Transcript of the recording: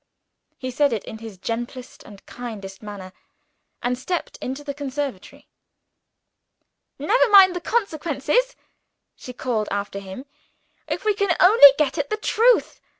He said it, in his gentlest and kindest manner, and stepped into the conservatory. "Never mind the consequences," she called after him, "if we can only get at the truth.